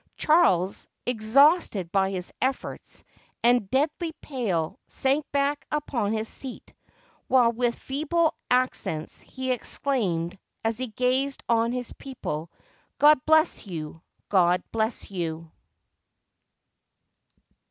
Charles, exhausted by his efforts, and deadly pale, sank back upon his seat; while, with feeble accents, he exclaimed, as he gazed on his people, "God bless you! God bless you